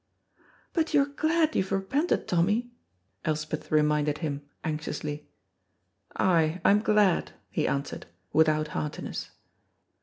"But you're glad you've repented, Tommy," Elspeth reminded him, anxiously. "Ay, I'm glad," he answered, without heartiness.